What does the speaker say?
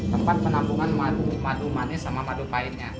tempat penampungan madu manis sama madu pahitnya